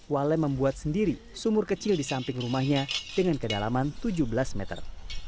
wale membuat sendiri sumur kecil di samping rumahnya dengan kedalaman tujuh belas meter